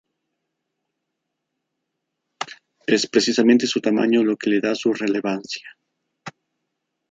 Es precisamente su tamaño lo que le da su relevancia.